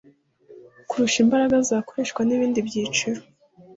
kirusha imbaraga zakoreshwa nibindi byiciro